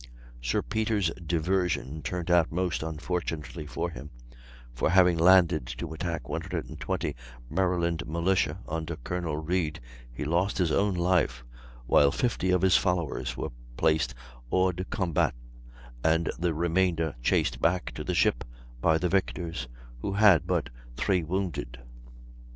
Sir Peter's "diversion" turned out most unfortunately for him: for, having landed to attack 120 Maryland militia, under Colonel Reade, he lost his own life, while fifty of his followers were placed hors de combat and the remainder chased back to the ship by the victors, who had but three wounded.